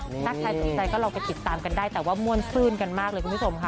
ถ้าใครสนใจก็ลองไปติดตามกันได้แต่ว่าม่วนซื่นกันมากเลยคุณผู้ชมค่ะ